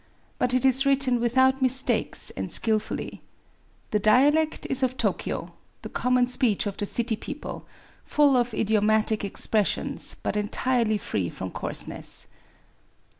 But it is written with out mistakes, and skilfully. The dialect is of Tokyo, — the common speech of the city peo ple, — full of idiomatic expressions, but entirely fi ee from coarseness.